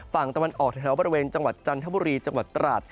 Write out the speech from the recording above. ฝั่งตะวันออกแถวบริเวณจังหวัดจันทบุรีจังหวัดตราด